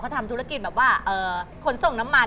เขาทำธุรกินขนส่งน้ำมัน